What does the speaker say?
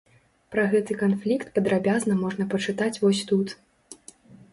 Пра гэты канфлікт падрабязна можна пачытаць вось тут.